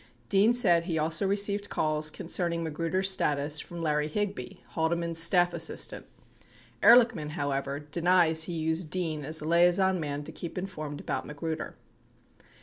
Dean said he also received calls concerning Magruder's status from Larry Higby, Haldeman's staff assistant. 90 Ehrlichman, however, denies he used Dean as a liaison man to keep informed about Magruder.